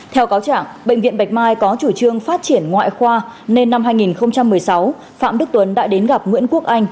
theo cáo trạng bệnh viện bạch mai có chủ trương phát triển ngoại khoa nên năm hai nghìn một mươi sáu phạm đức tuấn đã đến gặp nguyễn quốc anh